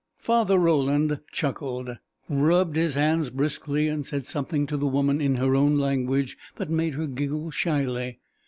Father Roland chuckled, rubbed his hands briskly, and said something to the woman in her own language that made her giggle shyly.